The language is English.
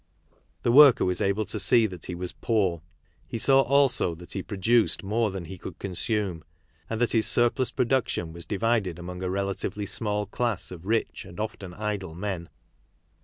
The worker was able to see that he was poor; he saw also that he produced more than he could consume, and that his surplus production was divided among a relatively small class of rich, and often idle, men.